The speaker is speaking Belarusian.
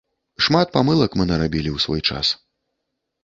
Шмат памылак мы нарабілі ў свой час.